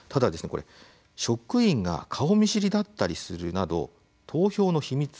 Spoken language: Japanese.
これ職員が顔見知りだったりするなど投票の秘密